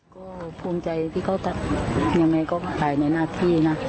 ก็ภูมิใจที่เขาตายในหน้าที่นะ